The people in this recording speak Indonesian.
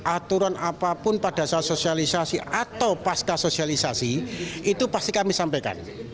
aturan apapun pada saat sosialisasi atau pasca sosialisasi itu pasti kami sampaikan